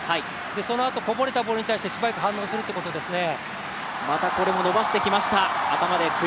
そのあとこぼれたボールに素早く反応するというところですね。